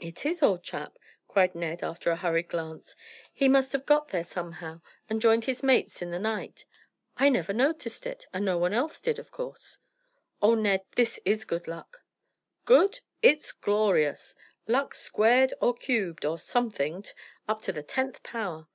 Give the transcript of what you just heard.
"It is, old chap," cried Ned, after a hurried glance. "He must have got here somehow and joined his mates in the night. I never noticed it, and no one else did, of course." "Oh, Ned, this is good luck!" "Good? It's glorious! Luck squared or cubed, or somethinged, up to the tenth power.